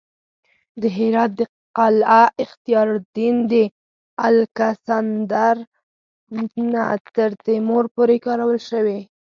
د هرات د قلعه اختیارالدین د الکسندر نه تر تیمور پورې کارول شوې